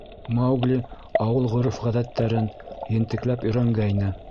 Маугли ауыл ғөрөф-ғәҙәттәрен ентекләп өйрәнгәйне.